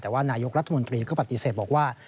แต่ว่านายกรัฐมนตรีก็ปฏิเสธบอกว่า